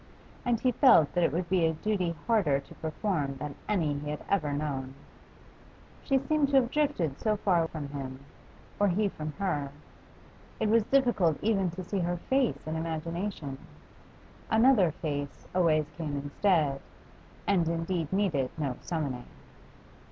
And he felt that it would be a duty harder to perform than any he had ever known. She seemed to have drifted so far from him, or he from her. It was difficult even to see her face in imagination; another face always came instead, and indeed needed no summoning.